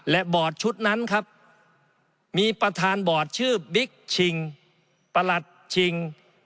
และบอร์ดชุดนั้นครับมีประธานบอร์ดชื่อบิ๊กชิงประหลัดชิง